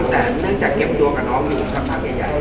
แต่เนื่องจากเก็บตัวกับน้องอยู่สักพักใหญ่